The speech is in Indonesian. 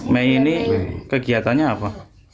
mei ini kegiatannya apa